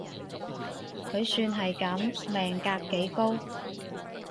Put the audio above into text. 佢算係噉，命格幾高